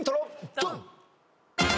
ドン！